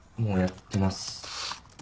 もうやってます。